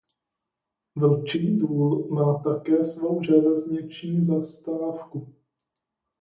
Vlčí Důl má také svou železniční zastávku.